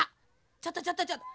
ちょっとちょっとちょっと！